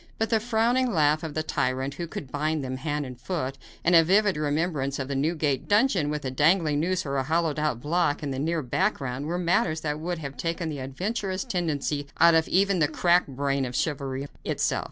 But the frowning laugh of the tyrant, who could bind him hand and foot, and a vivid remembrance of the Newgate dungeon, with a dangling noose or a hollowed out block in the near background, were matters that would have taken the adventurous tendency out of even the cracked brain of chivalry itself.